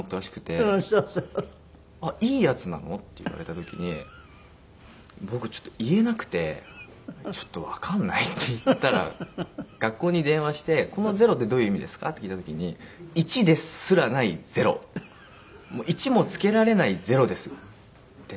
「いいやつなの？」って言われた時に僕ちょっと言えなくて「ちょっとわかんない」って言ったら学校に電話して「この０ってどういう意味ですか」って聞いた時に「１ですらない０。１も付けられない０です」って。